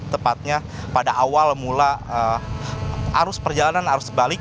tepatnya pada awal mula arus perjalanan arus balik